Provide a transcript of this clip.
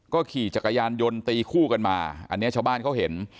ขี่จักรยานยนต์ตีคู่กันมาอันนี้ชาวบ้านเขาเห็น